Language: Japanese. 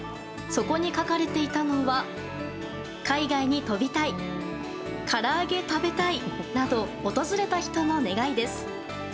そこに書かれているのは「海外に飛びたい」「からあげ食べたい」など訪れた人の願いです。